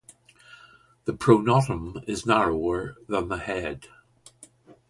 The pronotum is narrower than the head.